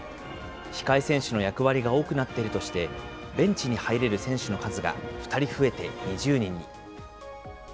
控え選手の役割が多くなっているとして、ベンチに入れる選手の数が２人増えて２０人に。